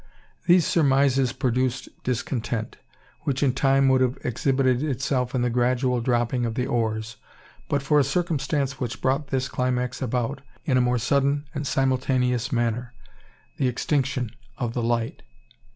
These surmises produced discontent, which in time would have exhibited itself in the gradual dropping of the oars, but for a circumstance which brought this climax about, in a more sudden and simultaneous manner, the extinction of the light.